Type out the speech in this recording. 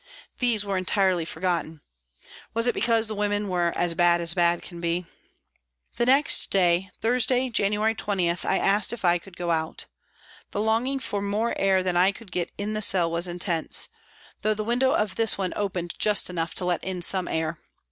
These were entirely forgotten. Was it because the women were " as bad as bad can be "? The next day, Thursday, January 20, I asked if I could go out. The longing for more air than I could get in the cell was intense, though the window of this one opened just enough to let in some air.